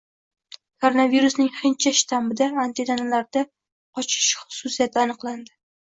Koronavirusning «hindcha» shtammida antitanalardan qochish xususiyati aniqlandi